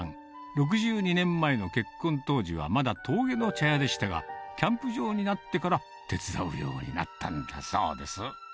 ６２年前の結婚当時はまだ峠の茶屋でしたが、キャンプ場になってから手伝うようになったんだそうです。